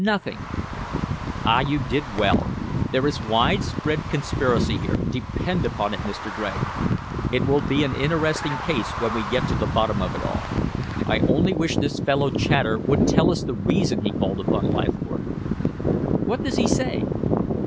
"Nothing." "Ah, you did well. There is widespread conspiracy here, depend upon it, Mr. Gregg. It will be an interesting case when we get to the bottom of it all. I only wish this fellow Chater would tell us the reason he called upon Leithcourt." "What does he say?"